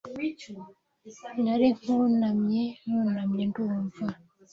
Nari nkunamye nunamye ndumva